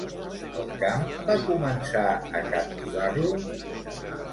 El camp va començar a captivar-lo?